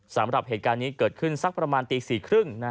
สำหรับเหตุการณ์นี้เกิดขึ้นสักประมาณตี๔๓๐